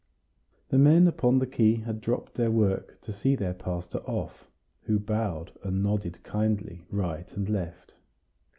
The men upon the quay had dropped their work to see their pastor off, who bowed and nodded kindly, right and left.